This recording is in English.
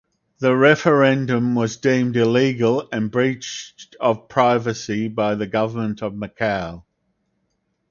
The referendum was deemed illegal and breached of privacy by the Government of Macau.